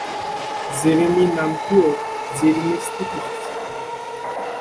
Jeremy নামটিও যিরমিয় থেকে এসেছে।